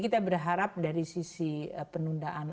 kita berharap dari sisi penundaan